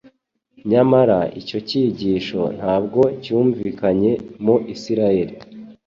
Nyamara icyo cyigisho ntabwo cyumvikanye mu Isiraeli.